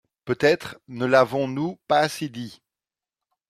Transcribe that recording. Peut-être ne l’avons-nous pas assez dit.